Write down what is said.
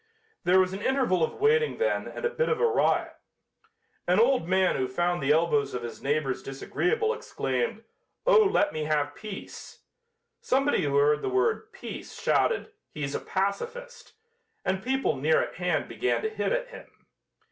There was an interval of waiting then and a bit of a riot. An old man who found the elbows of his neighbors disagreeable, exclaimed: "Oh, let me have peace!" Somebody who heard the word "peace" shouted: "He's a pacifist," and people near at hand began to hit at him.